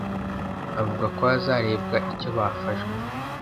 avuga ko hazarebwa icyo bafashwa